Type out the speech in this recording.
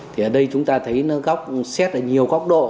thì ở đây chúng ta thấy nó góc xét ở nhiều góc độ